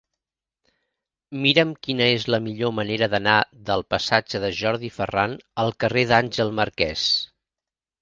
Mira'm quina és la millor manera d'anar del passatge de Jordi Ferran al carrer d'Àngel Marquès.